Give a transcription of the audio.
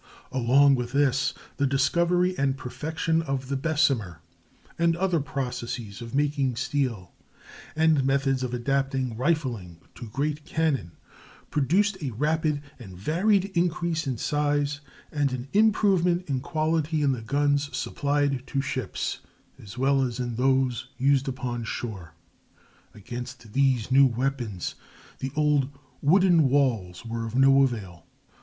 Along with this the discovery and perfection of the Bessemer and other processes of making steel, and methods of adapting rifling to great cannon, produced a rapid and varied increase in size and an improvement in quality in the guns supplied to ships as well as in those used upon shore. Against these new weapons the old "wooden walls" were of no avail.